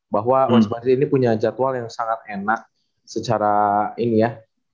bahwa mas badri ini punya jadwal yang sangat enak secara ini ya